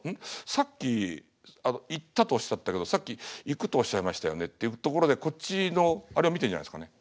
さっきあの『行った』とおっしゃったけどさっき『行く』とおっしゃいましたよね」っていうところでこっちのあれを見てんじゃないっすかね。